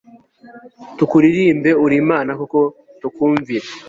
tukuririmbe uri imana koko, tukumvire